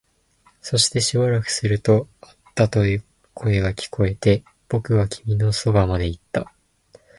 そしてしばらくすると、あったと声が聞こえて、僕は君のそばまで行った